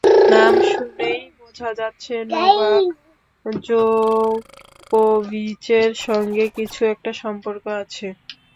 নাম শুনেই বোঝা যাচ্ছে, নোভাক জোকোভিচের সঙ্গে কিছু একটা সম্পর্ক আছে।